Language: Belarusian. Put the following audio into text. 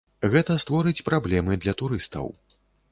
Гэта створыць праблемы для турыстаў.